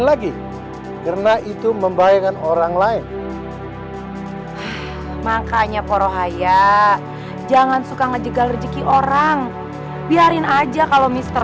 lebih nikmat dan lebih berkah walaupun sedikit